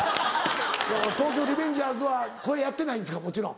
『東京リベンジャーズ』は声やってないんですかもちろん。